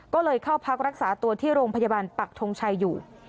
ก็เลยเข้าพักรักษาตัวที่โรงพยาบาลปักทงชัยอยู่